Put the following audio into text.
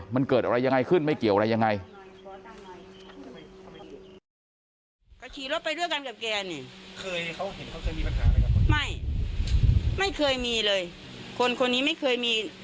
ไม่เคยมีเลยคนนี้ไม่เคยมีกับใครเลย